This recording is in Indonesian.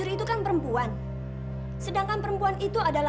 kita sudah setel di inggris dulu